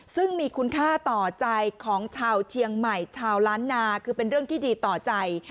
ซึ่งมีคุณค่าต่อใจของชาวเชียงใหม่ชาวล้านนาคือเป็นเรื่องที่ดีต่อใจ